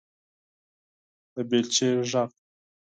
_د بېلچې غږ